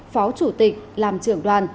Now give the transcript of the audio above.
phó chủ tịch làm trưởng đoàn